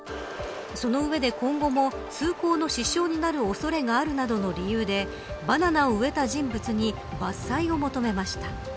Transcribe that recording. その上で、今後も通行の支障になる恐れがあるなどの理由でバナナを植えた人物に伐採を求めました。